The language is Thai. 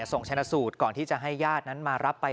ส่งชนะสูตรก่อนที่จะให้ญาตินั้นมารับไป